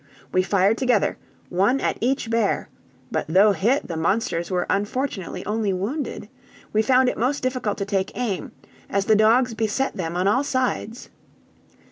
We fired together, one at each bear; but though hit, the monsters were unfortunately only wounded. We found it most difficult to take aim, as the dogs beset them on all sides.